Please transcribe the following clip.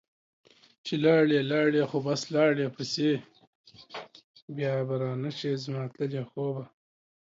چې لاړي لاړي خو بس لاړي پسي ، بیا به رانشي زما تللي خوبه